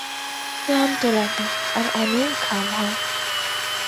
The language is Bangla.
ক্লান্ত লাগে আর অনেক ঘাম হয়।